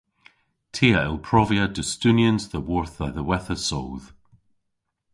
Ty a yll provia dustunians dhyworth dha dhiwettha soodh.